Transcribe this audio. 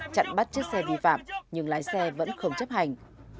chặn bắt chiếc xe vi phạm nhưng lái xe vẫn không chấp hành